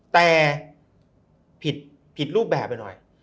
แต่ผิดรูปแบบไปหน่อย